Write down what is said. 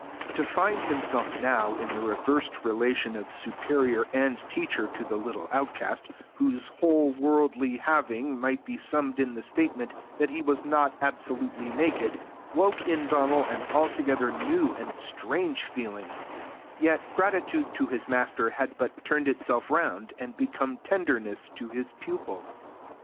To find himself now in the reversed relation of superior and teacher to the little outcast, whose whole worldly having might be summed in the statement that he was not absolutely naked, woke in Donal an altogether new and strange feeling; yet gratitude to his master had but turned itself round, and become tenderness to his pupil.